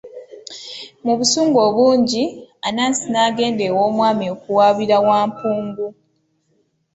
Mu busungu obungi, Anansi n'agenda ew'omwami okuwaabira Wampungu.